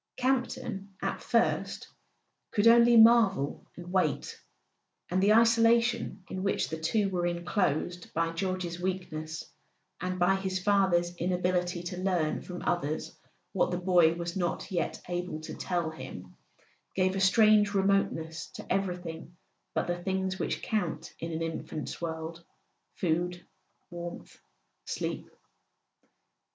Campton, at first, could only marvel and w r ait; and the isolation in which the two were enclosed by George's weakness, and by his father's inability to learn from others what the boy was not yet able to tell him, gave a strange remoteness to everything but the things which count in an infant's world: food, warmth, sleep.